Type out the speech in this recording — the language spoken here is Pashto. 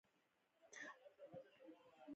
دوعا؛ تر سترګو دې وګرځم؛ نور ويده شه.